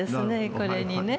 これにね。